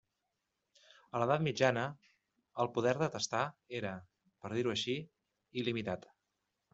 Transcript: A l'edat mitjana, el poder de testar era, per dir-ho així, il·limitat.